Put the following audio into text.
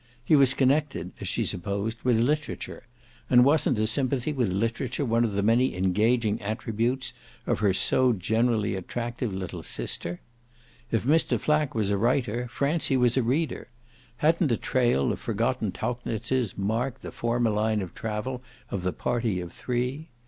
He was connected, as she supposed, with literature, and wasn't a sympathy with literature one of the many engaging attributes of her so generally attractive little sister? If Mr. Flack was a writer Francie was a reader: hadn't a trail of forgotten Tauchnitzes marked the former line of travel of the party of three?